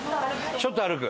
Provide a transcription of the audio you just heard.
ちょっと歩く？